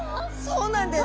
そうなんです！